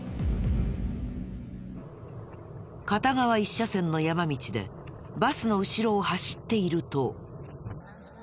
片側一車線の山道でバスの後ろを走っていると。